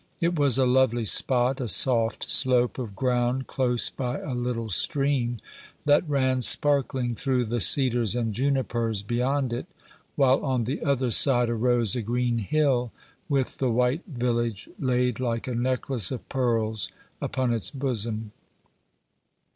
It was a lovely spot a soft slope of ground close by a little stream, that ran sparkling through the cedars and junipers beyond it, while on the other side arose a green hill, with the white village laid like a necklace of pearls upon its bosom.